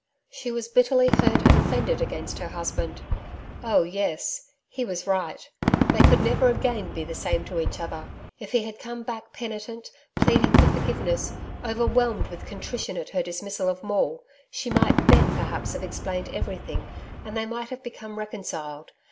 She was bitterly hurt and offended against her husband. Oh, yes. He was right. They could never again be the same to each other. If he had come back penitent, pleading for forgiveness, overwhelmed with contrition at her dismissal of Maule, she might then perhaps have explained everything and they might have become reconciled.